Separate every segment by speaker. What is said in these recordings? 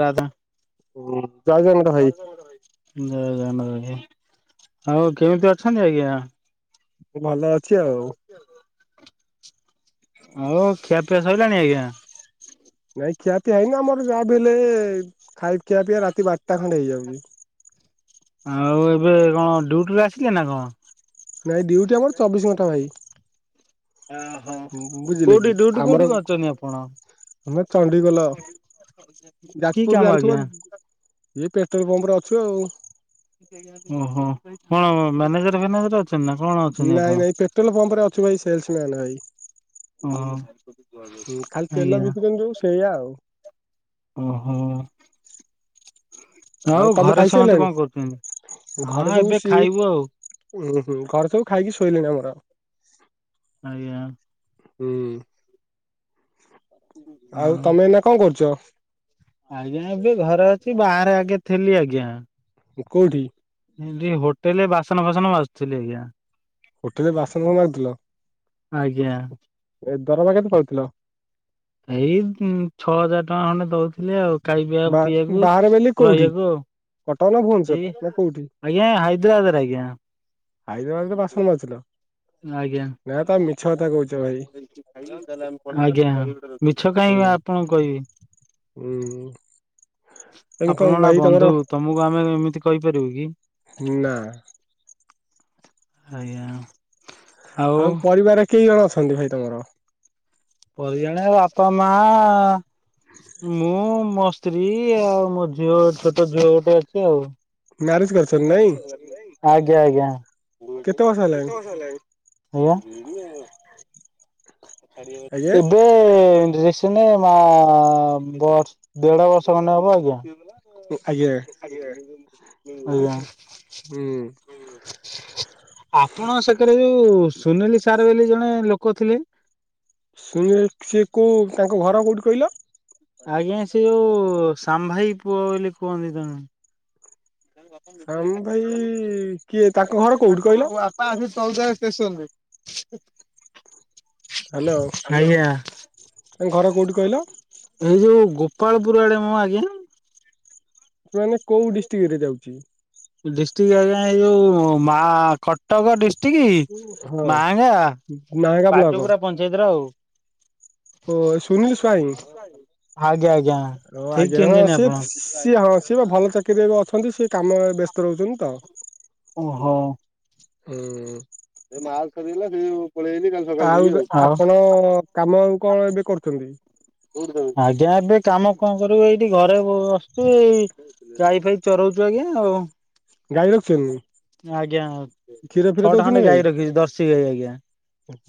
Speaker 1: ରାଧା
Speaker 2: ହୁଁ ଜୟ ଜଗନ୍ନାଥ ଭାଇ
Speaker 1: ଜୟ ଜଗନ୍ନାଥ ଭାଇ, କେମିତି ଅଛନ୍ତି ଆଜ୍ଞା
Speaker 2: ଭଲ ଅଛି। ଆଉ
Speaker 1: ଆଉ ଖିଆପିଆ ସରଲାଣି ଆଜ୍ଞା?
Speaker 2: ନାଇଁ ଖିଆ ପିଆ ହେଇନି ଆମର ଯାହା ବି ହେଲେ ଖାଇ ଖିଆ ପିଇଆ ରାତି ବାରଟା ଖଣ୍ଡେ ହେଇଯାଉଛି।
Speaker 1: ଆଉ ଏବେ କଣ ଡ୍ୟୁଟିରୁ ଆସିଲେ ନା କଣ
Speaker 2: ନାଇଁ ଡିଉଟି ଆମର ଚବିଶି ଘଣ୍ଟା ଭାଇ
Speaker 1: ଓହୋ
Speaker 2: ବୁଝିଲେ
Speaker 1: କୋଉଠି
Speaker 2: କି,
Speaker 1: ଡ୍ୟୁଟି କୋଉଠି
Speaker 2: ଆମର
Speaker 1: କରିଛନ୍ତି ଆପଣ?
Speaker 2: ଆମେ ଚଣ୍ଡିଖୋଲ
Speaker 1: କି
Speaker 2: ଯାଜପୁର
Speaker 1: କାମ
Speaker 2: ଜାଣିଥିବ
Speaker 1: ଆଜ୍ଞା?
Speaker 2: ଏଇ ପେଟ୍ରୋଲ ପମ୍ପରେ ଅଛୁ ଆଉ।
Speaker 1: ଓହୋ କଣ ମ୍ୟାନେଜର ଫ୍ୟାନେଜର ଅଛ।
Speaker 2: ନାଇଁ ନାଇଁ ପେଟ୍ରୋଲ ପମ୍ପ ରେ ଅଛୁ ଭାଇ ସେଲସ ମ୍ୟାନ ଭାଇ।
Speaker 1: ଓହୋ
Speaker 2: ହୁ ଖାଲି ତେଲ
Speaker 1: ଆଜ୍ଞା
Speaker 2: ବିକୁଛନ୍ତି ଯୋଉ ସେଇଆ ଆଉ।
Speaker 1: ଓହୋ।
Speaker 2: ଆଉ
Speaker 1: ହଉ
Speaker 2: ତମେ
Speaker 1: ଘରେ ସମସ୍ତେ
Speaker 2: ଖାଇସାରିଲଣି
Speaker 1: କଣ କରୁଛନ୍ତି? ହଁ
Speaker 2: ଘରେ ସବୁ
Speaker 1: ଏବେ
Speaker 2: ସିଏ
Speaker 1: ଖାଇବୁ ଆଉ।
Speaker 2: ଉୁଁ ହୁଁ ଘରେ ସବୁ ଖାଇକି ଶୋଇଲିଣି ଆମର।
Speaker 1: ଆୟା।
Speaker 2: ହୁଁ। ଆଉ
Speaker 1: ହଁ।
Speaker 2: ତମେ ଏନା କଣ କରୁଚ?
Speaker 1: ଆଜ୍ଞା ଏବେ ଘରେ ଅଛି ବାହାରେ ଆଜ୍ଞା ଥିଲି ଆଜ୍ଞା।
Speaker 2: କୋଉଠି?
Speaker 1: ଥିଲି ହୋଟେଲେ ବାସନ ଫାସନ ମାଯୁଥିଲି ଆଜ୍ଞା।
Speaker 2: ହୋଟେଲ ବାସନ ମାଯୁଥୁଲ?
Speaker 1: ଆଜ୍ଞା।
Speaker 2: ଏ ଦରମା କେତେ ପାଉଥିଲ?
Speaker 1: ଏଇ ଉଁ ଛଅ ହଜାର ଟଙ୍କା ଖଣ୍ଡେ ଦଉଥିଲେ ଆଉ ଖାଇବାଆ
Speaker 2: ବା
Speaker 1: ପିୟାକୁ
Speaker 2: ବାହାରେ ବେଲି କୋଉଠି
Speaker 1: ରହିବାକୁ ଆଉ।
Speaker 2: କଟକ ନା ଭୂନ୍
Speaker 1: ଏଇ ଆଜ୍ଞା ହାଇଦ୍ରାବାଦରେ ଆଜ୍ଞା।
Speaker 2: ହାଇଦ୍ରାବାଦରେ ବାସନ ମାଯୁଥିଲ?
Speaker 1: ଆଜ୍ଞା
Speaker 2: ଭାଇ
Speaker 1: ଆଜ୍ଞା। ମିଛ କାଇ ଆପଣଙ୍କୁ କହିବି।
Speaker 2: ଉଁ।
Speaker 1: ଆପଣ ଅଣା ବନ୍ଧୁ ତମକୁ ଆମେ ଏମିତି କହିପାରିବୁ କି?
Speaker 2: ନା।
Speaker 1: ଆଜ୍ଞା।
Speaker 2: ଆଉ ପରିବାର କେଇ ଜଣ ଅଛନ୍ତି ଭାଇ ତମର?
Speaker 1: ପରିଆଡା ବାପା, ମା ମୁଁ ମୋ ସ୍ତ୍ରୀ ଆଉ ମୋ ଝିଅ ଛୋଟ ଝିଅ ଗୋଟେ ଅଛି ଆଉ।
Speaker 2: ମ୍ୟାରେଜ କରିଛନ୍ତି ନାଇଁ
Speaker 1: ଆଜ୍ଞା ଆଜ୍ଞା, କେତେ ବର୍ଷ ହେଲାଣି? ଆଜ୍ଞା।
Speaker 2: ଆଜ୍ଞା
Speaker 1: ଏବେ ଡ୍ରେସ [unintelligible] ମା ବ ଦେଢ ବର୍ଷ ଖଣ୍ଡେ ହବ ଆଜ୍ଞା। ଆଜ୍ଞା, ଆଜ୍ଞା, ହୁଁ। ଆପଣ ସେକରେ ଯୋଉ ସୁନିଲ ସାର୍ ବୋଲି ଜଣେ ଲୋକ ଥିଲେ।
Speaker 2: ସୁନୀଲ ସେ କୋଉ ତାଙ୍କ ଘର କେଉଁଠି କହିଲ?
Speaker 1: ଆଜ୍ଞା ସେ ଯୋଉ ସାମ ଭାଇ ପୁଅ ବୋଲି କୁହନ୍ତି ତାଙ୍କୁ।
Speaker 2: ଶ୍ୟାମ ଭାଇ କିଏ ତାଙ୍କ ଘର କୋଉଠି କହିଲ?
Speaker 1: ପା ସେ ଚୌଦ୍ୱା ଷ୍ଟେସନ ରେ।
Speaker 2: ହ୍ୟାଲୋ
Speaker 1: ଆଜ୍ଞା।
Speaker 2: ତାଙ୍କ ଘର କୋଉଠି କହିଲ
Speaker 1: ଏଇ ଯୋଉ ଗୋପାଳପୁର ଆଡେ ମୁଁ ଆଜ୍ଞା।
Speaker 2: ମାନେ କୋଉ ଡିଷ୍ଟ୍ରିକ୍ଟ ରେ ଯାଉଛି?
Speaker 1: ଡିଷ୍ଟ୍ରିକ୍ଟ ଆଜ୍ଞା ଏଇ ଯୋଉ ମା ଖ କଟକ ଡିଷ୍ଟ୍ରିକ୍ଟ
Speaker 2: ହଁ
Speaker 1: ମାଙ୍ଗା
Speaker 2: ନାହାଙ୍ଗା ବ୍ଲକ
Speaker 1: ବାଜୁପୁର ପଞ୍ଚାୟତର ଆଉ।
Speaker 2: ଓ ସୁନୀଲ ସ୍ୱାଇଁ
Speaker 1: ଆଜ୍ଞା ଆଜ୍ଞା
Speaker 2: ଓ
Speaker 1: ଠିକ
Speaker 2: ଆଜ୍ଞା ହଁ
Speaker 1: ଚିନିଛନ୍ତି
Speaker 2: ସିଏ
Speaker 1: ଆପଣ।
Speaker 2: ସିଏ ହଁ ସିଏ ବା ଭଲ ଚାକିରି ଏବେ ଅଛନ୍ତି ସିଏ କାମ ବ୍ୟସ୍ତ ରହୁଛନ୍ତି ତ।
Speaker 1: ଓହୋ।
Speaker 2: ହୁଁ ଆଉ ଆପଣ କାମ ଆଉ କଣ ଏବେ କରୁଛନ୍ତି?
Speaker 1: ଆଜ୍ଞା ଏବେ କାମ କଣ କରିବୁ ଏଇଠି ଘରେ ବସଚୁ ଏଇ। ଗାଇ ଫାଇ ଚରଉଛୁ ଆଜ୍ଞା ଆଉ।
Speaker 2: ଗାଈ ର
Speaker 1: ଆଜ୍ଞା
Speaker 2: ଫିର
Speaker 1: ଛଅଟା ଖଣ୍ଡେ ଗାଈ ରଖିଛି ଦର୍ଶି ଗାଈ ଆଜ୍ଞା।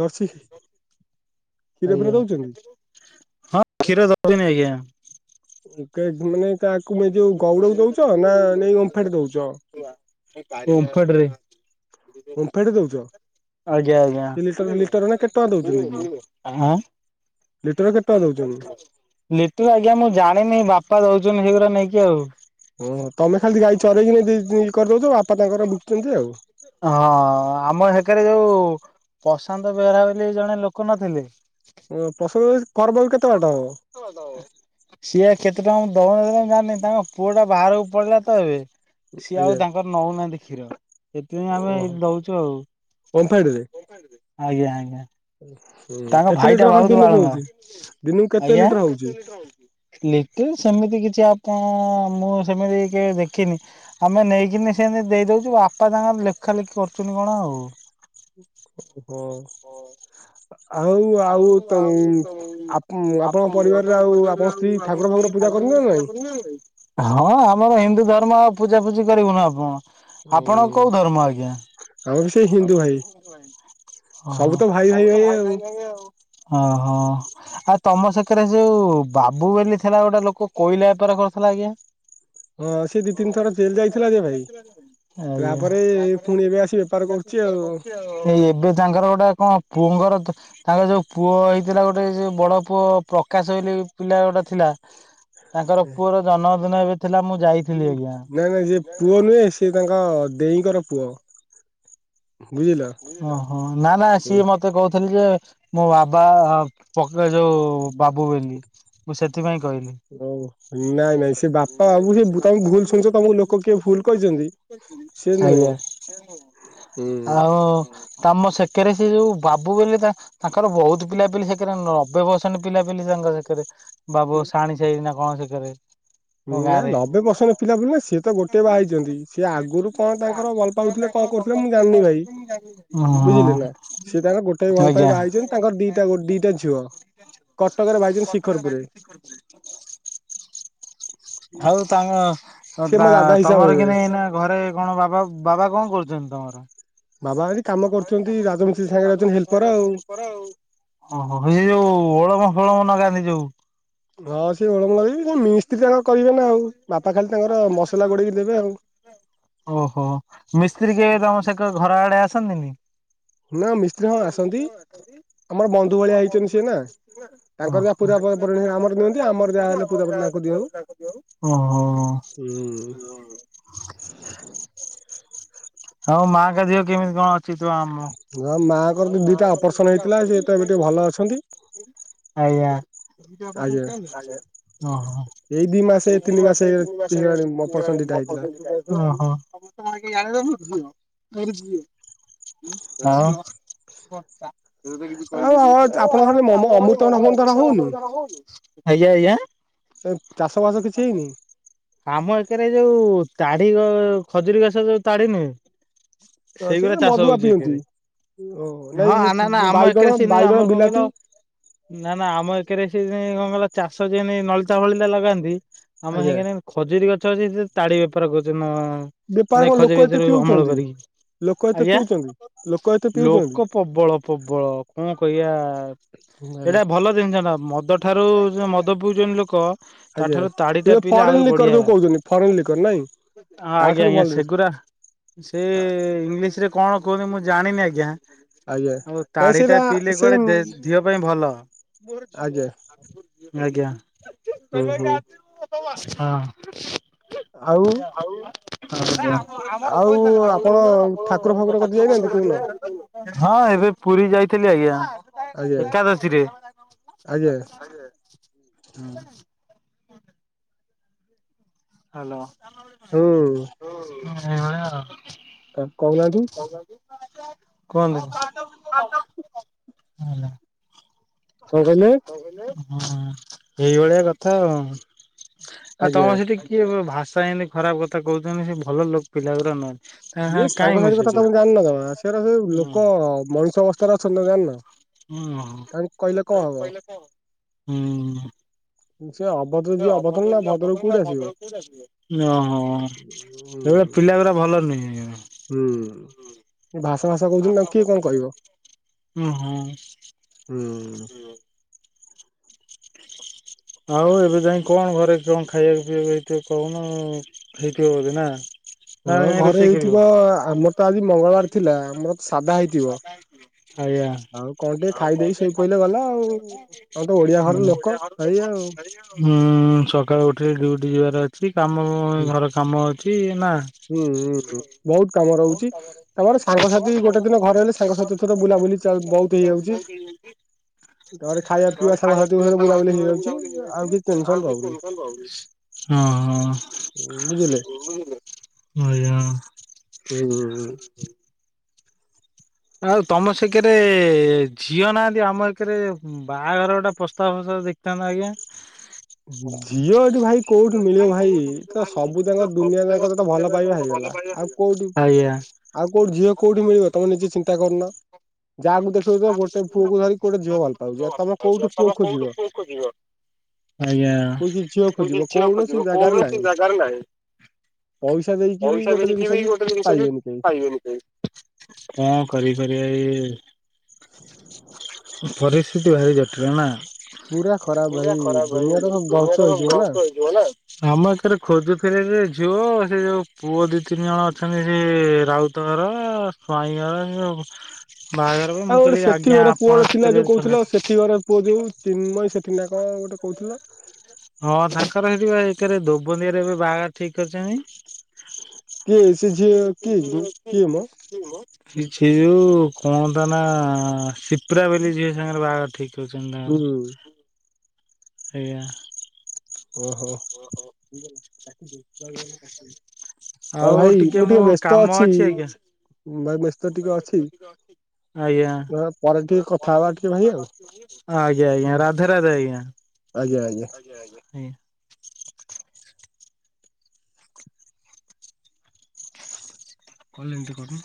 Speaker 2: ଦର୍ଶି କ୍ଷୀର
Speaker 1: ଆଜ୍ଞା
Speaker 2: ଫୀର ଦଉଛନ୍ତି?
Speaker 1: ହଁ କ୍ଷୀର ଦଉଛନ୍ତି ଆଜ୍ଞା।
Speaker 2: ମାନେ କାହାକୁ ଯୋଉ ଗଉଡକୁ ଦଉଛ ନା ନେଇ ଅମ୍ଫାଟ ଦଉଛ?
Speaker 1: ଟ ରେ
Speaker 2: ଓମ୍ଫେଡ ଦଉଛ?
Speaker 1: ଆଜ୍ଞା ଆଜ୍ଞା
Speaker 2: ସେ ଲିଟର ଲିଟରେ କେତେ ଟଙ୍କା ଦଉଛନ୍ତି କି?
Speaker 1: ଆଁ
Speaker 2: ଲିଟର କେତେ ଟଙ୍କା ଦଉଛନ୍ତି?
Speaker 1: ଲିଟର ଆଜ୍ଞା ମୁଁ ଜାଣିନି ବାପା ଦଉଛନ୍ତି ସେଇଗୁଡ଼ା ନେଇକି ଆଉ।
Speaker 2: ଓ ହୋ ତମେ ଖାଲି ଗାଈ ଚରାଇକି ଇଏ କରିଦଉଛି ବାପା ତାଙ୍କର ବିକୁଛନ୍ତି ଆଉ।
Speaker 1: ହଁ ଆମ ସେକାରେ ଯୋଉ ପ୍ରଶାନ୍ତ ବେହେରା ବୋଲି ଜଣେ ଲୋକ ନଥିଲେ।
Speaker 2: ଓ ପ୍ରସୁ କରବ କେତେ?
Speaker 1: ବ
Speaker 2: ବାଟ ହବ
Speaker 1: କର ଦବ? ସିଏ କେତେ ଟଙ୍କା ଦାମ ଦଉନ ଜାଣିନି ତାଙ୍କ ପୁଅ ଟା ବାହାରକୁ ପଡିଲା ତ ଏବେ। ସିଏ ଆଉ
Speaker 2: ଆଜ୍ଞା
Speaker 1: ତାଙ୍କର ନଉନାହାନ୍ତି କ୍ଷୀର ସେଥିପାଇଁ ଆମେ
Speaker 2: ଓହୋ
Speaker 1: ଏ ଦଉଛୁ
Speaker 2: ଓମ୍ଫେଡ ରେ?
Speaker 1: ଆଉ। ଆଜ୍ଞା ଆଜ୍ଞା।
Speaker 2: ହୁଁ
Speaker 1: ତାଙ୍କ
Speaker 2: କେତେ
Speaker 1: ଭାଇଟା
Speaker 2: ଲିଟର ଖଣ୍ଡେ
Speaker 1: ବଉତ
Speaker 2: ଦିନକୁ
Speaker 1: ବାଳୁଙ୍ଗା
Speaker 2: ହଉଛି ଦିନକୁ କେତେ
Speaker 1: ଆଜ୍ଞା।
Speaker 2: ଲିଟର ହଉଛି?
Speaker 1: ଲିଟେର ସେମିତି କିଛି ଆପଣ ମୁଁ ସେମିତି କି ଦେଖିନି ଆମେ ନେଇକିନି ସେମିତି ଦେଇଦଉଛୁ ବାପା ତାଙ୍କର ଲେଖା ଲେଖି କରୁଛନ୍ତି କଣ ଆଉ।
Speaker 2: ଓ ହୋ। ଆଉ ଆଉ ତ ଆପଣଙ୍କ ପରିବାରରେ ଆଉ ଆପଣ
Speaker 1: ଆଉ [unintelligible] ହଁ ଆମର ହିନ୍ଦୁ ଧର୍ମ ଆଉ ପୂଜା ଫୂଜି କରିବୁନ ଆପଣ? ଆପଣଙ୍କ କୋଉ
Speaker 2: ହୁଁ
Speaker 1: ଧର୍ମ ଆଜ୍ଞା?
Speaker 2: ଆମେ ବି ସେଇ ହିନ୍ଦୁ ଭାଇ ସବୁ ତ ଭାଇ ଭାଇ ଭାଇ ଆଉ
Speaker 1: ଓହୋ। ଆଉ ତମ ସାଙ୍ଗରେ ଯୋଉ ବାବୁ ବୋଲି ଥିଲା ଗୋଟେ ଲୋକ କୋଇଲା ବେପାର କରିୁଥିଲା ଆଜ୍ଞା।
Speaker 2: ହଁ ସେ ଦି ତିନି ଥର ଜେଲ ଯାଇଥିଲା ଯେ ଭାଇ
Speaker 1: ଆଜ୍ଞା
Speaker 2: ତାପରେ ପୁଣି ଏବେ ଆସି ବେପାର କ ଅଛି ଆଉ।
Speaker 1: ଏ ଏବେ ତାଙ୍କର ଗୋଟେ କଣ ପୁଅଙ୍କର ତାଙ୍କର ଯୋଉ ପୁଅଇ ଥିଲା ଗୋଟେ ଯଉ ବଡ ପୁଅ ପ୍ରକାଶ ପିଲା ଗୋଟେ ଥିଲା ତାଙ୍କର ପୁଅର ଜନ୍ମଦିନ ଏବେ ଥିଲା ମୁଁ
Speaker 2: ହଁ
Speaker 1: ଯାଇଥିଲି ଆଜ୍ଞା।
Speaker 2: ନାଇଁ ନାଇଁ ସେ ପୁଅ ନୁହେଁ ସେ ତାଙ୍କ ଦେଇଙ୍କର ପୁଅ। ବୁଝିଲ।
Speaker 1: ଓହୋ ନା ନା ସିଏ ମ ତେ କହୁଥିଲି ଯେ ମୋ ବାବା ପକ ଯୋଉ ବାବୁ ବୋଲି। ମୁଁ ସେଥିପାଇଁ କହିଲି
Speaker 2: ହ ନାଇଁ ନାଇଁ ସେ ବାପା ବାବୁ ସେ ତମେ ଭୁଲ ଶୁଣିଛ ତମକୁ ଲୋକ କିଏ ଭୁଲ କହିଛନ୍ତି। ସେ ନୁହେଁ
Speaker 1: ଆଜ୍ଞା।
Speaker 2: ହୁଁ।
Speaker 1: ହଁ ତମ ସେକାରେ ସେ ଯୋଉ ବାବୁ ବୋଲି ତାଙ୍କର ବହୁତ ପିଲା ବୋଲି ସେ ସେ ନବେ ପରସେଣ୍ଟ ପିଲା ପିଲି ତାଙ୍କ ସେଖରେ ବାବୁ ଶାଣି ସାଇ ନା କଣ ସେଖରେ?
Speaker 2: ହଁ ନା ଲବେ ପସନ୍ଦ ପିଲା ପିଲି ନା ସିଏ ତ ଗୋଟେ ବାହା ହେଇଛନ୍ତି ସିଏ ଆଗରୁ କଣ ତାଙ୍କର ପାଉଥିଲେ କଣ କରୁଥିଲେ ମୁଁ ଜାଣିନି ଭାଇ।
Speaker 1: ହଁ
Speaker 2: ବୁଝିଲେ ନା ସିଏ ତାଙ୍କର ଗୋଟେ ଭଲ ପାଇଁ
Speaker 1: ଆଜ୍ଞା
Speaker 2: ବା ହେଇଛନ୍ତି ତାଙ୍କର ଦିଟା ଦିଟା ଝିଅ। କଟକରେ ଭାଇଚନ୍ ଶିଖରପୁର ରେ।
Speaker 1: କର ଆଉ ତାଙ୍କ
Speaker 2: ସିଏ ମୋ ଦାଦା ହିସାବ
Speaker 1: ତମର କି
Speaker 2: ହେବେ
Speaker 1: ନେ ଏଇନା ଘରେ କଣ ବାବା ବାବା କଣ କରୁଛନ୍ତି ତମର?
Speaker 2: ବାବା ଆ
Speaker 1: ବାବା ଏଇଠି କାମ କରୁଛନ୍ତି ରାଗରୁ ଦଇ ଭବା ତ
Speaker 2: ଆଉ
Speaker 1: ହଲ କର ଆଉ। ଓହୋ ଏ ଯୋଉ ଓଳମ ଫଳମ ନଗାନ୍ତି ଯୋଉ
Speaker 2: ହଁ ସେଏ ଓଳମ କରିବି ସେ ମିସ୍ତ୍ରୀ ତାଙ୍କର କରିବେ ନା ଆଉ ବାପା ଖାଲି ତାଙ୍କର ମସଲା ଗୋଳେଇକି ଦେବେ ଆଉ।
Speaker 1: ଓହୋ ମିସ୍ତ୍ରୀ କେବେ ତମ ସେ ଘର ଆଡ଼େ ଆସନ୍ତିନି?
Speaker 2: ନା ମିସ୍ତ୍ରୀ ହଁ ଆସନ୍ତି। ଆମର ବନ୍ଧୁ ଭଳିଆ ହେଇଛନ୍ତି ସିଏ ନା ତାଙ୍କର ଯାହା
Speaker 1: ଓହୋ
Speaker 2: ପୂଜା ପରିଣ ଆମର ଦିଅନ୍ତି ଆମର ଯାହା ହେଲେ ପୂଜା ପରି ତାଙ୍କୁ ଦିଅନ୍ତି।
Speaker 1: ହଁ ହଁ ହଁ [unintelligible] ହଁ ମାଙ୍କ ଦେହ କେମିତି କଣ ଅଛି ତୁ ଆମ
Speaker 2: ହ ମାଆଙ୍କର ଦିଟା ଅପରେସନ ହେଇଥିଲା ସେ ତ ଏବେ ଟିକେ ଭଲ ଅଛନ୍ତି।
Speaker 1: ଆଜ୍ଞା ଓ
Speaker 2: ଆଜ୍ଞା
Speaker 1: ହୋ। ଏଇ
Speaker 2: ଏଇ ମାସେ
Speaker 1: ଦି
Speaker 2: ତିନି
Speaker 1: ମାସେ
Speaker 2: ହେଇଗଲାଣି ଅପରେସନ
Speaker 1: ତିନି
Speaker 2: ଦିଟା ହେଇଥିଲା।
Speaker 1: ମାସେ [unintelligible] ହଁ ହଁ। [unintelligible] ଆଉ। [unintelligible] ଆଜ୍ଞା
Speaker 2: ଆଉ ଆପଣଙ୍କ ଘରେ ଅମ ଅମୃତଭଣ୍ଡା ଫମୃତଭଣ୍ଡା ହଉନି?
Speaker 1: ଆଜ୍ଞା।
Speaker 2: ସେ ଚାଷବାସ କିଛି ହେଇନି।
Speaker 1: ଆମ ଏକାରେ ଯୋଉ ତାଡ଼ି ଖଜୁରୀ ଗଛ ଯୋଉ ତାଡ଼ ନୁହେଁ।
Speaker 2: ହଁ ସେ
Speaker 1: ସେଇଗୁରା ଚାଷ
Speaker 2: ମଦୁଆ
Speaker 1: ହଉଛି ଏକେ
Speaker 2: ପିଅନ୍ତି ଓ ନାଇଁ
Speaker 1: ହଁ ନା
Speaker 2: ଇଏ
Speaker 1: ନା ଆମ ଏକରେ
Speaker 2: ବାଇଗଣ
Speaker 1: ସେ
Speaker 2: ବାଇଗଣ
Speaker 1: ଆମର କଣ କହିଲ
Speaker 2: ବିଲାତି
Speaker 1: ନା ନା ଆମ ଏକରେ ସେ କଣ କ ଚାଷ ଯେ ନଳିତା ଫଳିତା ଲଗାନ୍ତି ଆମ
Speaker 2: ଆଜ୍ଞା
Speaker 1: ହେକରେ ଖଜୁରୀ ଗଛ ଅଛି ସେ ତାଡ଼ି ବେପାର କରୁଛନ୍ତି ଅଁ ଅଁ।
Speaker 2: ବେପାର
Speaker 1: ମାନେ
Speaker 2: କଣ ଲୋକ
Speaker 1: ଖଯୁରି
Speaker 2: ଏତେ
Speaker 1: ଗଛରୁ ଅମଳ
Speaker 2: ପିଉଛନ୍ତି
Speaker 1: କରିକି
Speaker 2: ଲୋକ ଏତେ
Speaker 1: ଆଜ୍ଞା
Speaker 2: ପିଉଛନ୍ତି ଲୋକ ଏତ
Speaker 1: ଲୋକ ପ୍ରବଳ ପ୍ରବଳ କଣ କହିବା ଏଇଟା ଭଲ ଜିନିଷ ନା ମଦ ଠାରୁ ମଦ ପିଉଚନ୍ତି ଲୋକ
Speaker 2: ଆଜ୍ଞା
Speaker 1: ତାଠାରୁ ତାଡି ଟା
Speaker 2: ଏ
Speaker 1: ପିଇଲେ
Speaker 2: ଫରେନ୍
Speaker 1: ଆହୁରି
Speaker 2: ଲିକର
Speaker 1: ବଢିଆ।
Speaker 2: ଯେ କହୁଛନ୍ତି ଫରେନ୍ ଲିକର ନାଇଁ କି?
Speaker 1: ହଁ ଆଜ୍ଞା ଆଜ୍ଞା ସେଗୁରା ସେ ଇଂଲିଶ୍ ରେ। କଣ କହୁନି ମୁଁ ଜାଣିନି ଆଜ୍ଞା।
Speaker 2: ଆଜ୍ଞା।
Speaker 1: ଆଉ
Speaker 2: ନାଇଁ
Speaker 1: ତାଡ଼ୀଟା
Speaker 2: ସେଇଟା
Speaker 1: ପିଇଲେ
Speaker 2: ସେଇ
Speaker 1: କୁଆଡେ ଦିହ ପାଇଁ ଭଲ।
Speaker 2: ଆଜ୍ଞା
Speaker 1: ଆଜ୍ଞା ହଁ।
Speaker 2: ହୁଁ ହୁଁ ଆଉ
Speaker 1: ନଁ ଆମ ଆମ
Speaker 2: ଆଉ
Speaker 1: କଇସ
Speaker 2: ଆପଣ ଠାକୁର ଫାକୁର କତି ଯାଇନାହାନ୍ତି କହୁନ?
Speaker 1: [unintelligible] ହଁ ଏବେ ପୁରୀ ଯାଇଥିଲି ଆଜ୍ଞା।
Speaker 2: ଆଜ୍ଞା
Speaker 1: ଏକାଦଶୀରେ
Speaker 2: ଆଜ୍ଞା
Speaker 1: ହୁଁ ହାଲୋ
Speaker 2: ହୁଁ।
Speaker 1: ଏଇଭଳିଆ ଆଉ
Speaker 2: ଆ କୋହୁ ନାହାନ୍ତି।
Speaker 1: କୁହନ୍ତୁ
Speaker 2: କଣ କହିଲେ?
Speaker 1: ହ [inaudible] ଏଇଭଳିଆ କଥା ଆଉ ଆଉ
Speaker 2: ଆଜ୍ଞା
Speaker 1: ତମର ସେଠି କିଏ ଭାଷା ଏମିତି ଖରାପ କଥା କହୁଛନ୍ତି। ସେ ଭଲ ଲୋକ ପିଲାଗୁରା ନୁହଁ
Speaker 2: ଇଏ ସାଙ୍ଗସାଥି କଥା ତମେ ଜାଣିନନା ସେରା ସବୁ ଲୋକ ମଣିଷ ଅବସ୍ଥାରେ ଅଛନ୍ତି ନା ଜାଣିନା।
Speaker 1: ହୁଁ [inaudible] ହୁଁ
Speaker 2: ସେୟା ଅ
Speaker 1: ସେ ଅଭଦ୍ର ଯିଏ ଅଭଦ୍ର ନା ଭଦ୍ର କୋଉଠି ଆସିବ? ଓହୋ
Speaker 2: ହୁଁ
Speaker 1: ସେଇଆ ପିଲା ଗୁରା ଭଲ ନୁହେଁ।
Speaker 2: ହୁଁ ଭାସା ଫାସା କହୁଛନ୍ତି ତାଙ୍କୁେ କିଏ କଣ କହିବ।
Speaker 1: ଉଁ ହୁଁ।
Speaker 2: ହୁଁ।
Speaker 1: ଆଉ ଏବେ ଯାଇ କଣ ଘରେ କଣ। ଖାଇବାକୁ ପିଇବାକୁ ହେଇଥିବ କହୁନ ହେଇଥିବ ବୋଧେ ନା। ନା
Speaker 2: ହଁ ଘରେ
Speaker 1: ରୋଷେଇ କରିବ
Speaker 2: ହେଇଥିବ ଆମର ତ ଆଜି ମଙ୍ଗଳବାର ଥିଲା ଆମର ତ ସାଧା ହେଇଥିବ।
Speaker 1: [unintelligible] ଆଜ୍ଞା।
Speaker 2: ଆଉ କଣ ଟିକେ ଖାଇଦେଇ ଶୋଇପଇଲେ ଗଲା ଆଉ। ଆମେ ତ ଓଡିଆ
Speaker 1: [unintelligible]
Speaker 2: ଘର ଲୋକ
Speaker 1: ଓଡ଼ିଆ ଘର
Speaker 2: ଭାଇ
Speaker 1: ଲୋକ
Speaker 2: ଆଉ।
Speaker 1: [unintelligible] ହୁଁ ସକାଳୁ ଉଠିକି ଡ୍ୟୁଟି ଯିବାର ଅଛି କାମ ଘର କାମ ଅଛି ନା।
Speaker 2: ହୁଁ ହୁଁ ବହୁତ କାମ ରହୁଛି। ତାପରେ ସାଙ୍ଗସାଥି ଗୋଟେ ଦିନ ଘରେ ହେଲେ ସାଙ୍ଗସାଥି ଥର ବୁଲାବୁଲି
Speaker 1: [unintelligible] [unintelligible]
Speaker 2: ଘରେ ଖାଇବା ପିଇବା ସାଙ୍ଗସାଥିଙ୍କ ବୁଲାବୁଲି ହେଇଯାଉଛି ଆଉ। କିଛି ଟେନସନ
Speaker 1: ଆଉ
Speaker 2: ରହୁନି।
Speaker 1: ଦିପୁନ ସାଙ୍ଗ ହଉନି,
Speaker 2: ବୁଝିଲେ
Speaker 1: ହଁ ହଁ। ଏୟା ଆଉ।
Speaker 2: ହୁଁ।
Speaker 1: ଆଉ ତମ ସେକରେ ଝିଅ ନାହାନ୍ତି? ଆମ ଏକରେ ବାହାଘର ଗୋଟା ପ୍ରସ୍ତାବ ଦେଖିଥାନ୍ତା ଆଜ୍ଞା। [inaudible]
Speaker 2: ଝିଅ ଏଠି ଭାଇ କୋଉଠି ମିଳିବ
Speaker 1: ଭାଇ କୋଉଠୁ
Speaker 2: ତ
Speaker 1: ଭାଇ
Speaker 2: ଯାକ ଦୁନିଆ
Speaker 1: ସବୁ
Speaker 2: ଯାକ
Speaker 1: ଜାଗା
Speaker 2: ତ
Speaker 1: ଦୁ
Speaker 2: ଭଲ
Speaker 1: ଜାଗା
Speaker 2: ପାଇବା
Speaker 1: କଲେ ତ
Speaker 2: ହେଇଗଲା
Speaker 1: ଭଲ ପାଇବା
Speaker 2: ଆଉ
Speaker 1: ହେଇଗଲା।
Speaker 2: କୋଉଠି
Speaker 1: ଆଜ୍ଞା।
Speaker 2: ଆଉ କୋଉଠି ଝିଅ କୋଉଠି ମିଳିବ ତମେ ନିଜେ ଚିନ୍ତା କରୁନ। ଯାହା ମୁଁ ଦେଖଛି ତ ଗୋଟେ ପୁଅକୁ ଧରି ଗୋଟେ ଝିଅ ଭଲ ପାଉଛି, ଆଉ ତମ କୋଉଠି ପୁଅ ଖୋ ଯିବ?
Speaker 1: ଯିବ। ଆଜ୍ଞା
Speaker 2: କୋଉଠି ଝିଅ
Speaker 1: ତୁ
Speaker 2: ଖୋଜିବ
Speaker 1: କିଝିବା
Speaker 2: କୌଣସି
Speaker 1: ଖୋଜିବ
Speaker 2: ଜାଗାରେ
Speaker 1: କୌଣସି
Speaker 2: ନାହିଁ
Speaker 1: ଜାଗାରେ ନାଇଁ।
Speaker 2: ପଇସା ଦେଇକି ବି
Speaker 1: ପଇସା
Speaker 2: ଗୋଟେ
Speaker 1: ନେଇକି
Speaker 2: ଜିନିଷ
Speaker 1: ବି ଗୋଟେ ଜିନିଷ ବି
Speaker 2: ପାଇବେନି କେହି।
Speaker 1: ପାଇବେନି ସେ କ କରି ପାରି ଆଇ ପରିସ୍ଥିତି ଭାରି ଜଟିଳ ନା।
Speaker 2: ପୁରା ଖରାପ ଭାଇ
Speaker 1: ପୁରା ଖରାପ ଭାଇ
Speaker 2: ଦୁନିଆ ତ ସବୁ ଧ୍ୱଂସ
Speaker 1: ଦୁନିଆରେ ସବୁ
Speaker 2: ହେଇଯିବ ନା
Speaker 1: ଧ୍ୱଂସ ହେଇଯିବ ନା। ଆମ ଏକରେ ଖୋଜୁଥିଲେ ଯେ ଝିଅ ସେ ଯୋଉ ପୁଅ ଦି ତିନି ଜଣ ଅଛନ୍ତି ସେ ରାଉତ ତୋର ସ୍ଵାଇଁଗଳ ଯିବୁ। ବାହାଘରକୁ।
Speaker 2: ଆଉ ଗୋଟେ ସେଠି ଘର ପୁଅ ଟେ ଥିଲା ଯୋଉ କହୁଥିଲ। ସେଠି ଘର ପୁଅ ଯୋଉ ଚିନ୍ମୟ ସେଠି ନା କଣ ଗୋଟେ କହୁ ଲୋ।
Speaker 1: ହଁ, ତାଙ୍କର ସେଠି ଏରେ ଦୋବନିଆରେ ଏବେ ବାହାଘ ଠିକ କରିଛନ୍ତି।
Speaker 2: କିଏ ସେ ଝିଅ କିଏ କିଏ ମ
Speaker 1: [unintelligible] ସେ ଯୋଉ କନ୍ତା ନା ସିପ୍ରା ବୋଲି ଝିଅ ସାଙ୍ଗରେ ବାହାଘର ଠିକ
Speaker 2: ହୁଁ
Speaker 1: [unintelligible] ଏଆ।
Speaker 2: ଓହୋ। [unintelligible] ହଁଭାଇ ମୁଁ ଟିକେ ବ୍ୟସ୍ତ ଅଛି, ଭାଇ ବ୍ୟସ୍ତ ଟିକେ ଅଛି
Speaker 1: [unintelligible] ଆଜ୍ଞା।
Speaker 2: ପରେ ଟିକେ କଥା ହବା ଟିକେ ଭାଇ ଆଉ
Speaker 1: [unintelligible] ଆଜ୍ଞା ଆଜ୍ଞା ରାଧେ ରାଧେ ଆଜ୍ଞା, ଆଜ୍ଞା ଆଜ୍ଞା ହୁଁ। କହିଲ ଏମିତି କରୁ।